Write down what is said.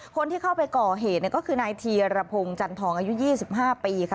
คนที่เข้าไปก่อเหตุก็คือนายธีรพงศ์จันทองอายุ๒๕ปีค่ะ